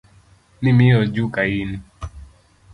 Nimiyo ojuka in.